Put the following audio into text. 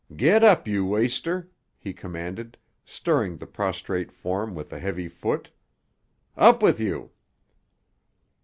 Get up, you waster!" he commanded, stirring the prostrate form with a heavy foot "Up with you!"